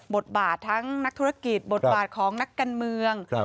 บทบาททั้งนักธุรกิจบทบาทของนักการเมือง